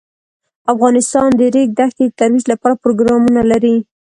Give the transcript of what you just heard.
افغانستان د د ریګ دښتې د ترویج لپاره پروګرامونه لري.